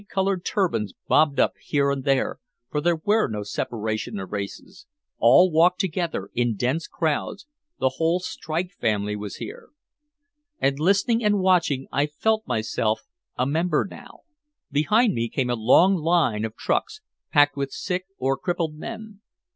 Bright colored turbans bobbed up here and there, for there was no separation of races, all walked together in dense crowds, the whole strike family was here. And listening and watching I felt myself a member now. Behind me came a long line of trucks packed with sick or crippled men.